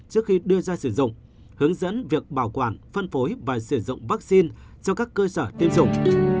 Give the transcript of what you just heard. trước khi đưa ra sử dụng hướng dẫn việc bảo quản phân phối và sử dụng vaccine cho các cơ sở tiêm chủng